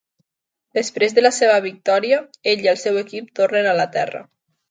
Després de la seva victòria, ell i el seu equip tornen a la Terra.